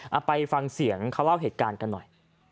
เอาไปฟังเสียงเขาเล่าเหตุการณ์กันหน่อย